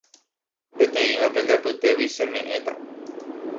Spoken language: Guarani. Peteĩva pende apytégui cheme'ẽta